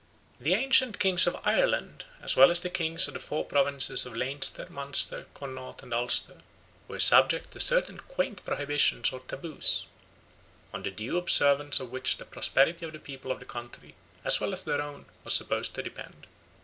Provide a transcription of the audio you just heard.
The ancient kings of Ireland, as well as the kings of the four provinces of Leinster, Munster, Connaught, and Ulster, were subject to certain quaint prohibitions or taboos, on the due observance of which the prosperity of the people of the country, as well as their own, was supposed to depend.